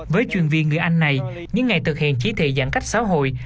với chuyên viên người anh này những ngày thực hiện chỉ thị giãn cách xã hội